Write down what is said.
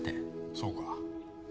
そうか。